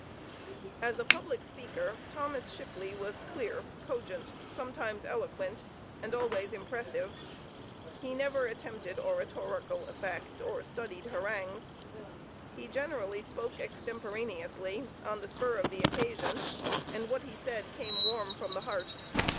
As a public speaker Thomas Shipley was clear, cogent, sometimes eloquent, and always impressive. He never attempted oratorical effect, or studied harangues. He generally spoke extemporaneously, on the spur of the occasion, and what he said came warm from the heart.